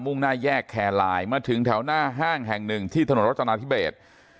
่งหน้าแยกแคร์ไลน์มาถึงแถวหน้าห้างแห่งหนึ่งที่ถนนรัตนาธิเบส